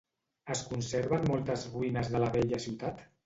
Es conserven moltes ruïnes de la vella ciutat?